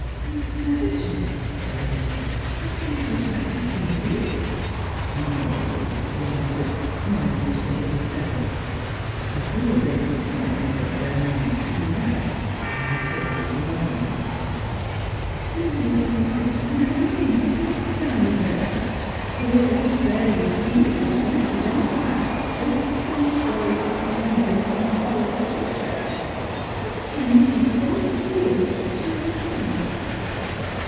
" And the savages," said Ehzabeth, "did they never try to kill you?" " No," he answered, smiling at her look of terror. " Before Slrangeri and Pilgrims. 315 tkey could quite make up their minds to do that, I had taught them to love me." " And you will go out to them again, and die there ! For if they spare you, fever will strike you down, perhaps, or the sea swallow you up alive in some horrible shipwreck. How can yo« be so cruel — to yourself?"